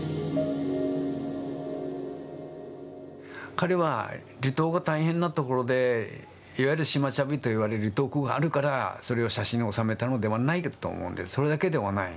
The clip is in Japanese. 彼は離島が大変なところでいわゆる島ちゃびといわれる離島苦があるからそれを写真に収めたのではないと思うんでそれだけではない。